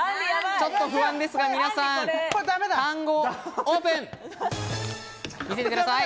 ちょっと不安ですが、皆さん、単語をオープン！